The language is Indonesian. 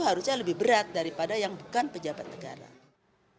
harusnya lebih berat daripada yang bukan pejabat negara